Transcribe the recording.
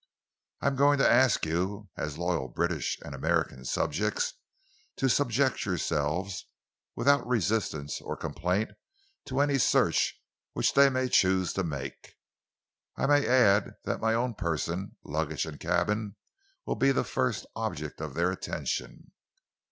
I am going to ask you, as loyal British and American subjects, to subject yourselves, without resistance or complaint, to any search which they may choose to make. I may add that my own person, luggage and cabin will be the first object of their attention."